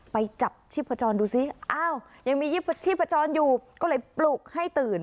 ไปจับชีพจรดูซิอ้าวยังมีชีพจรอยู่ก็เลยปลุกให้ตื่น